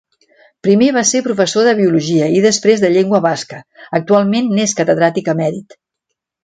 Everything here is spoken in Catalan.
Primer va ser professor de biologia i després de llengua basca, actualment n'és catedràtic emèrit.